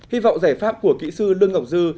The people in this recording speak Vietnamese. hy vọng giải pháp của kỹ sư đương ngọc dư